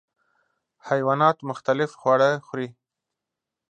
حیوانات مختلف خواړه خوري.